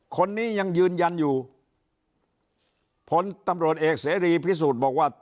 คนนี้ยังยืนยันอยู่ผลตำรวจเอกเสรีพิสูจน์บอกว่า